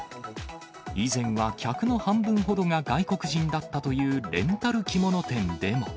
以前は客の半分ほどが外国人だったというレンタル着物店でも。